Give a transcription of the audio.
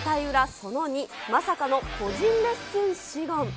その２、まさかの個人レッスン志願。